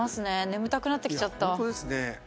眠たくなってきちゃった。